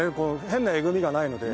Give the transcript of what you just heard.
変なえぐみがないので。